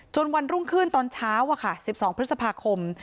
จนวันรุ่งขึ้นตอนเช้าอะค่ะสิบสองพฤษภาคม